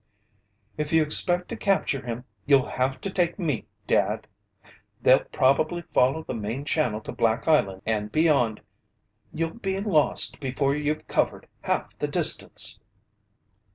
"If you expect to capture him, you'll have to take me, Dad. They'll probably follow the main channel to Black Island and beyond. You'll be lost before you've covered half the distance."